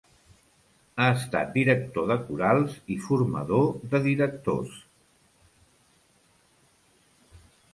Ha estat director de corals i formador de directors.